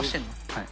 はい。